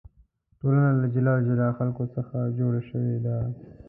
ټولنه له جلا جلا خلکو څخه جوړه شوې ده.